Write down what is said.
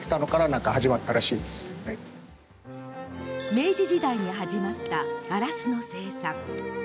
明治時代に始まったガラスの生産。